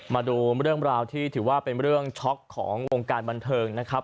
มาดูเรื่องราวที่ถือว่าเป็นเรื่องช็อกของวงการบันเทิงนะครับ